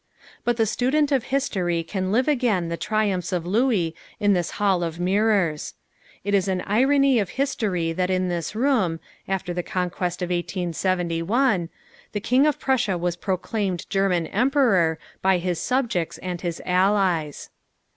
But the student of history can live again the triumphs of Louis in this Hall of Mirrors. It is an irony of history that in this room, after the conquest of 1871, the King of Prussia was proclaimed German Emperor by his subjects and his allies.